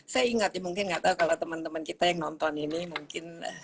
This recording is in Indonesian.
saya ingat ya mungkin nggak tahu kalau teman teman kita yang nonton ini mungkin